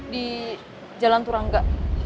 di jalan turangga